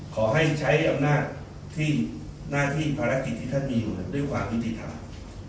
ขอให้ใช้อำนาจที่หน้าที่ภารกิจที่ท่านมีอยู่ด้วยความยุติธรรม